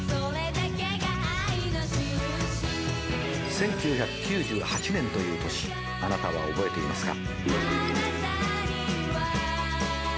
１９９８年という年あなたは覚えていますか？